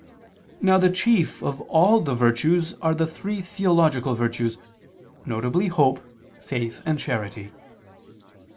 Now the chief of all the virtues are the three theological virtues, viz. hope, faith and charity.